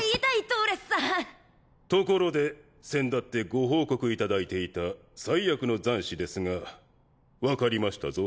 トーレスさんところでせんだってご報告いただいていた災厄の残滓ですが分かりましたぞ